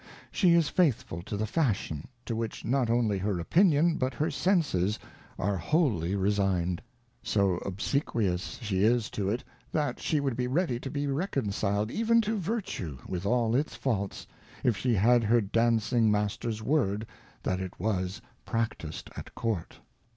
F She is faithful to the Fashion, to which not only her Opinion, but her Senses are wholly resigned.: so obsequious she is to it, that she would be ready to be reconciled even to Vertue with all its Faults, if she had her Dancing Master's Word that it was practised at Court.